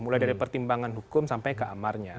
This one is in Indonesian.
mulai dari pertimbangan hukum sampai ke amarnya